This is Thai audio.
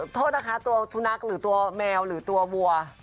โทษนะคะตัวสุนัขหรือตัวแมวหรือตัววัว